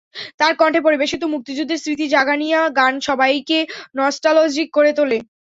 তাঁর কণ্ঠে পরিবেশিত মুক্তিযুদ্ধের স্মৃতি জাগানিয়া গান সবাইকে নস্টালজিক করে তোলে।